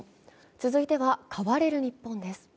続いては買われる日本です。